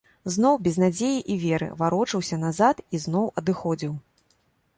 Зноў, без надзеі і веры, варочаўся назад і зноў адыходзіў.